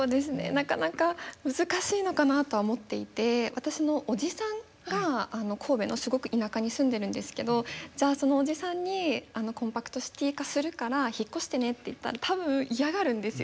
なかなか難しいのかなとは思っていて私のおじさんが神戸のすごく田舎に住んでるんですけどじゃあそのおじさんにコンパクトシティ化するから引っ越してねって言ったら多分嫌がるんですよ。